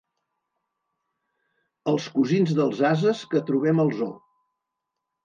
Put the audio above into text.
Els cosins dels ases que trobem al zoo.